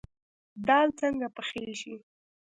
دال څنګه پخیږي؟